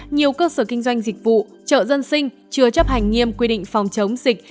nhiều cơ sở kinh doanh dịch vụ chợ dân sinh chưa chấp hành nghiêm quy định phòng chống dịch